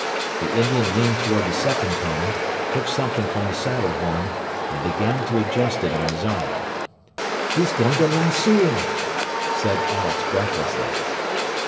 The Indian leaned toward the second pony, took something from the saddle horn, and began to adjust it on his arm. "He's going to lassoo him!" said Alex breathlessly.